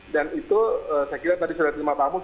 dan itu saya kira tadi sudah terima pak mus